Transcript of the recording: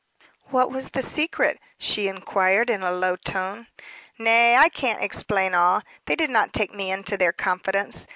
"What was the secret?" she inquired, in a low tone. "Nay, I can't explain all; they did not take me into their confidence.